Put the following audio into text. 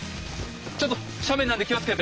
ちょっと斜面なんで気をつけて。